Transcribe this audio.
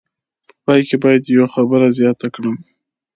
په پای کې باید یوه خبره زیاته کړم.